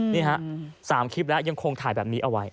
นี่ฮะ๓คลิปแล้วยังคงถ่ายแบบนี้เอาไว้